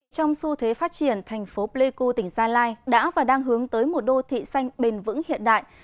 trong xu thế phát triển thành phố pleiku tỉnh gia lai đã và đang hướng tới một đô thị xanh bền vững hiện đại